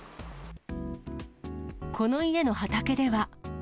この家の畑では。